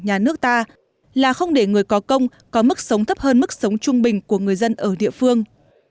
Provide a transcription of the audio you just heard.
nhà nước ta là không để người có công có mức sống thấp hơn mức sống trung bình của người dân ở địa phương